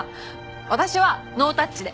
私はノータッチで。